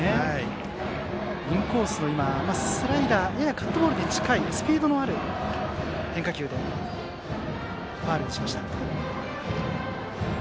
インコースのスライダーややカットボールに近いスピードのある変化球でファウルにしました。